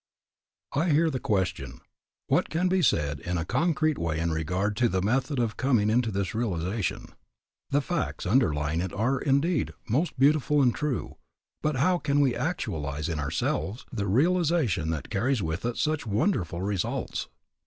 I hear the question, What can be said in a concrete way in regard to the method of coming into this realization? The facts underlying it are, indeed, most beautiful and true, but how can we actualize in ourselves the realization that carries with it such wonderful results?